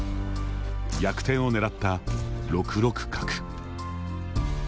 逆転を狙った６六角。